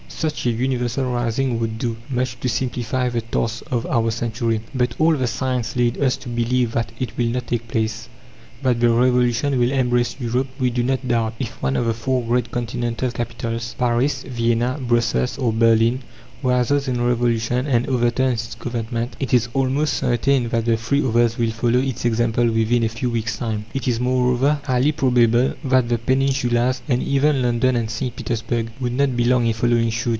Such a universal rising would do much to simplify the task of our century. But all the signs lead us to believe that it will not take place. That the Revolution will embrace Europe we do not doubt. If one of the four great continental capitals Paris, Vienna, Brussels, or Berlin rises in revolution and overturns its Government, it is almost certain that the three others will follow its example within a few weeks' time. It is, moreover, highly probable that the Peninsulas and even London and St. Petersburg would not be long in following suit.